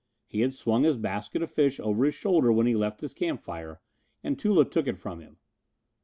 He had swung his basket of fish over his shoulder when he left his campfire, and Tula took it from him.